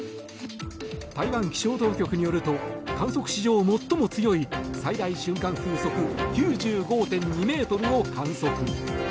台湾気象当局によると観測史上最も強い最大瞬間風速９５．２ｍを観測。